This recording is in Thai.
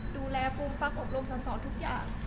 ดูแลฟุลมฟักอบรมสอนทุกอย่าง